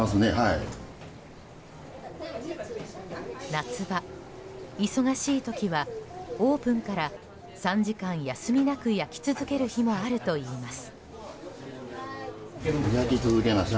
夏場、忙しい時はオープンから３時間休みなく焼き続ける日もあるといいます。